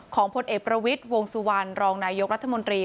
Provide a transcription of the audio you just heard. ผลเอกประวิทย์วงสุวรรณรองนายกรัฐมนตรี